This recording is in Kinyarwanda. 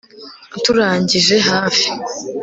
turangije hafi